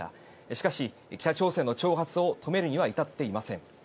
しかし、北朝鮮の挑発を止めるには至っていません。